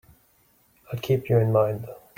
I'll keep you in mind.